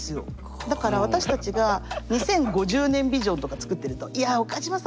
だから私たちが２０５０年ビジョンとか作ってるとスパッと言われます。